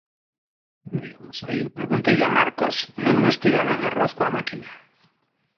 Cando iamos saír pregunteille a Marcos: Non nos tirarán arroz coa máquina?